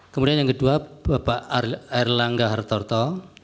kemudian yang kedua bapak erlangga hartarto